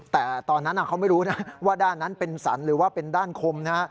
แต่ตอนนั้นเขาไม่รู้นะว่าด้านนั้นเป็นสรรหรือว่าเป็นด้านคมนะฮะ